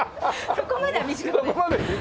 そこまでは短くない。